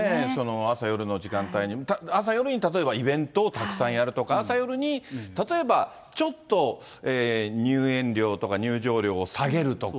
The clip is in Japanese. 朝夜の時間帯に、朝夜に例えば、イベントをたくさんやるとか、朝夜に例えば、ちょっと入園料とか入場料を下げるとか。